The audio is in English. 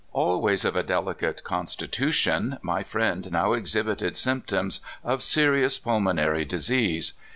Always of a delicate constitution, my friend now exhibited symptoms of serious pul monary disease.